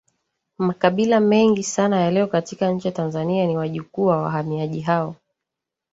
Makabila mengi sana ya leo katika nchi ya Tanzania ni wajukuu wa wahamiaji hao